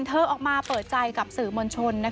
เธอออกมาเปิดใจกับสื่อมวลชน